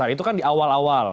itu kan di awal awal